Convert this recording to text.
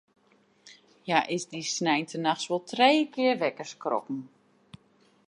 Hja is dy sneintenachts wol trije kear wekker skrokken.